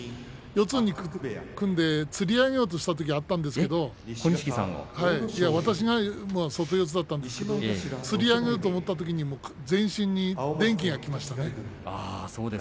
１回、四つに組んでつり上げようとしたときがあったんですけれども私が外四つだったんですけれどもつり上げようとしたときに全身に電気がきましたね。